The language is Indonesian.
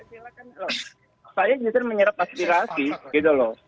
silahkan saya sendiri menyerap aspirasi